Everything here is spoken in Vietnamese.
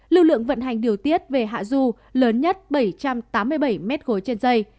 lưu lượng vận hành điều tiết về hạ du lớn nhất bảy trăm tám mươi bảy m ba trên dây